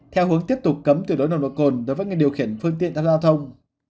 theo hướng tiếp tục cấm từ đối nồng độ cồn đối với người điều khiển phương tiện tham gia giao thông